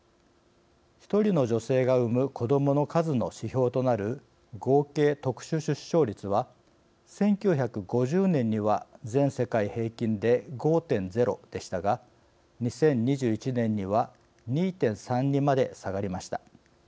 １人の女性が産む子どもの数の指標となる合計特殊出生率は１９５０年には全世界平均で５．０でしたが２０２１年には２．３にまで下がりました。